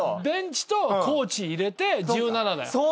ベンチとコーチ入れて１７だよ。